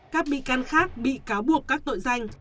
các bị can khác bị cáo buộc các tội danh